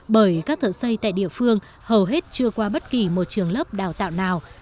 bởi các thợ xây tại địa phương hầu hết chưa qua bất kỳ một trường lớp đào tạo nào